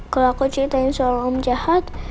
kalau aku ceritain soal om jahat